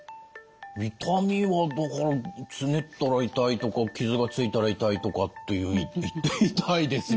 痛みはだからつねったら痛いとか傷がついたら痛いとかっていう痛いですよ。